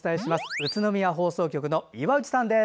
宇都宮放送局の岩内さんです。